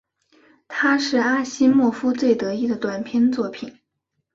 它是阿西莫夫最得意的短篇作品。